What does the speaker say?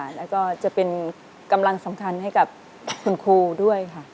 แล้วก็จะเป็นกำลังสำคัญให้กับคุณครูด้วยค่ะ